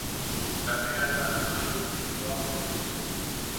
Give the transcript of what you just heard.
Ta ne ala ama yeu siimtuawak.